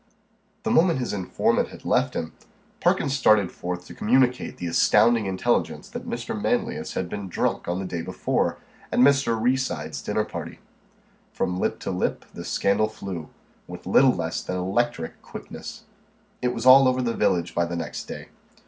The moment his informant had left him, Perkins started forth to communicate the astounding intelligence that Mr. Manlius had been drunk on the day before, at Mr. Reeside's dinner party. From lip to lip the scandal flew, with little less than electric quickness. It was all over the village by the next day.